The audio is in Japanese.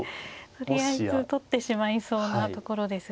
とりあえず取ってしまいそうなところですが。